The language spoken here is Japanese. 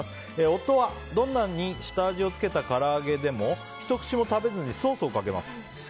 夫は、どんなに下味をつけたから揚げでもひと口も食べずにソースをかけます。